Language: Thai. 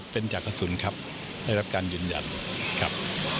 เป็นจากกระสุนครับได้รับการยืนยันครับ